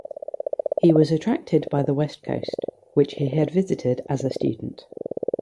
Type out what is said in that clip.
He was attracted by the west coast, which he had visited as a student.